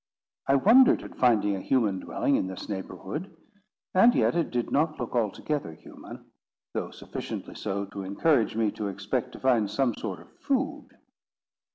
I wondered at finding a human dwelling in this neighbourhood; and yet it did not look altogether human, though sufficiently so to encourage me to expect to find some sort of food.